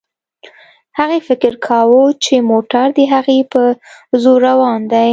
هغې فکر کاوه چې موټر د هغې په زور روان دی.